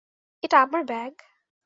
এটা আমার ব্যাগ!